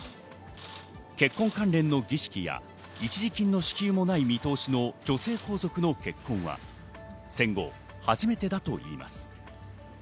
結婚関連の儀式や一時金の支給もない見通しの女性皇族の結婚は戦後初めてだといいます。